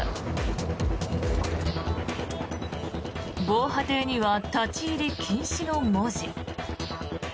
防波堤には立ち入り禁止の文字。